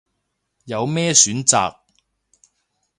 有咩選擇